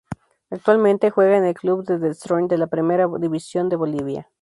Actualmente juega en el Club The Strongest de la Primera División de Bolivia.